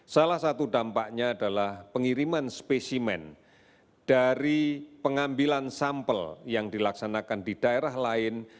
salah satu dampaknya adalah pengiriman spesimen dari pengambilan sampel yang dilaksanakan di daerah lain